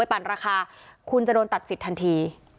ปั่นราคาคุณจะโดนตัดสิทธิทันที